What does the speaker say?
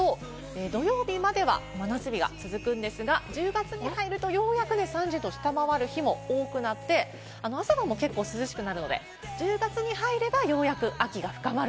土曜日までは真夏日が続くんですが、１０月に入るとようやく３０度を下回る日も多くなって、朝晩も結構、涼しくなるので、１０月に入ればようやく秋が深まる。